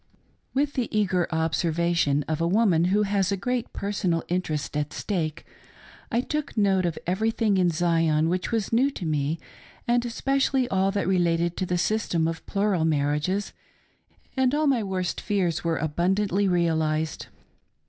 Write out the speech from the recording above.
WITH the eager observation of a woman who has a great personal interest at stake, I took note of everything in Zion which was new to me, and especially all that related to the system of plural marriages, and all my worst fears were abundantly realised.